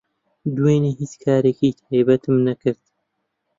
دوێنێ هیچ کارێکی تایبەتم نەکرد.